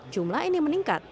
jumlah ini meningkat